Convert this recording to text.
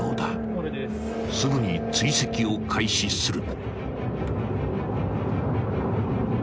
［すぐに追跡を開始する］